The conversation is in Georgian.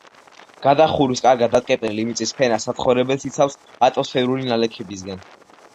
გადახურვის კარგად დატკეპნილი მიწის ფენა საცხოვრებელს იცავს ატმოსფერული ნალექებისაგან.